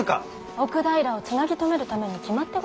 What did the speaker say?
奥平をつなぎとめるために決まってございましょう。